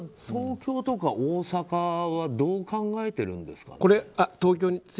東京とか大阪はどう考えてるんですか？